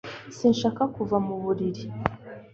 sinshaka kuva mu buriri